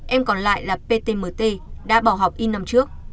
em còn lại là ptmt đã bỏ học in năm trước